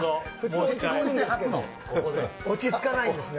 落ち着かないんですね。